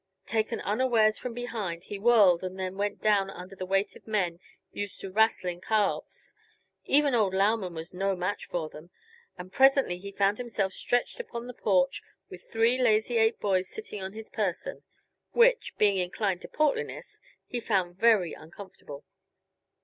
Taken unawares from behind, he whirled and then went down under the weight of men used to "wrassling" calves. Even old Lauman was no match for them, and presently he found himself stretched upon the porch with three Lazy Eight boys sitting on his person; which, being inclined to portliness, he found very uncomfortable.